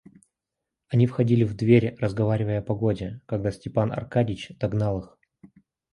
Они входили в дверь, разговаривая о погоде, когда Степан Аркадьич догнал их.